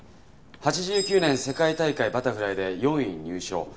８９年世界大会バタフライで４位入賞。